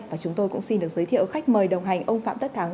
và chúng tôi cũng xin được giới thiệu khách mời đồng hành ông phạm tất thắng